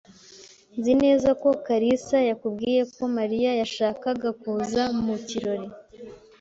Nzi neza ko kalisa yakubwiye ko Mariya yashakaga kuza mu kirori.